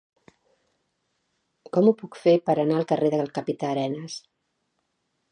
Com ho puc fer per anar al carrer del Capità Arenas?